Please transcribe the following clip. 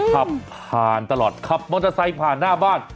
ขับผ่านตลอดขับมอเตอร์ไซค์ผ่านหน้าบ้าน